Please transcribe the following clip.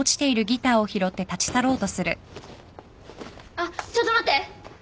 あっちょっと待って！